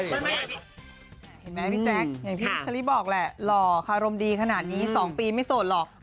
เห็นไหมพี่แจ๊คอย่างที่เชอรี่บอกแหละหล่อค่ะอารมณ์ดีขนาดนี้๒ปีไม่โสดหรอก